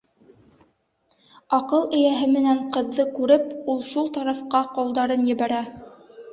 Аҡыл эйәһе менән ҡыҙҙы күреп, ул шул тарафҡа ҡолдарын ебәрә.